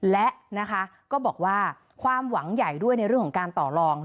และนะคะก็บอกว่าความหวังใหญ่ด้วยในเรื่องของการต่อลอง